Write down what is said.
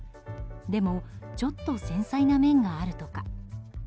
でもちょっと繊細な面があるとか。